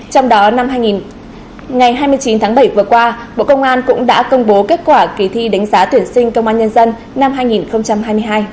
trong đó năm hai mươi chín tháng bảy vừa qua bộ công an cũng đã công bố kết quả kỳ thi đánh giá tuyển sinh công an nhân dân năm hai nghìn hai mươi hai